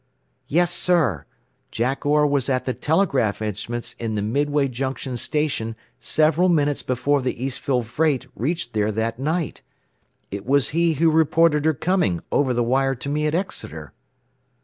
"Yes, sir. Jack Orr was at the telegraph instruments in the Midway Junction station several minutes before the Eastfield freight reached there that night. It was he who reported her coming over the wire to me at Exeter."